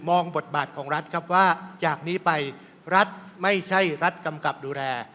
บทบาทของรัฐครับว่าจากนี้ไปรัฐไม่ใช่รัฐกำกับดูแล